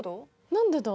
何でだ？